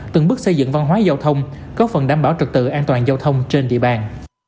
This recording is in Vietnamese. từng bước xây dựng văn hóa giao thông góp phần đảm bảo trật tự an toàn giao thông trên địa bàn